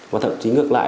và thậm chí ngược lại